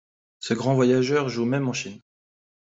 Ce grand voyageur joue même en Chine.